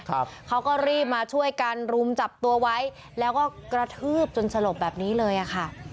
เขาก็รีบมาช่วยกันรุมจับตัวไว้แล้วก็กระทืบจนสลบแบบนี้เลยอ่ะค่ะ